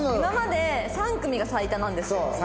今まで３組が最多なんですよ。